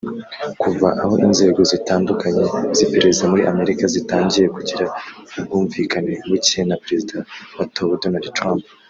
Kuva aho inzego zitandukanye z’iperereza muri Amerika zitangiye kugirana ubwumvikane buke na perezida watowe Donald Trump